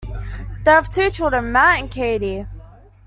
They have two children, Matt and Katie.